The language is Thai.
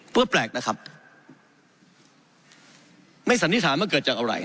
แปลกนะครับไม่สันนิษฐานว่าเกิดจากอะไร